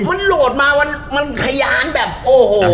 มันโหลดมามันขยานแบบโอ้โห